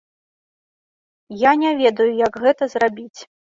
Я не ведаю, як гэта зрабіць.